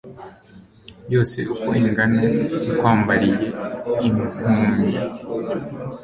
Yose uko ingana, Ikwambariye impumbya,